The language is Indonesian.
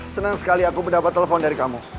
senang sekali aku mendapat telepon dari kamu